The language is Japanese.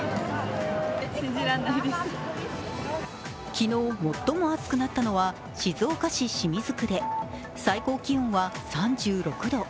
昨日、最も暑くなったのは静岡市清水区で最高気温は３６度。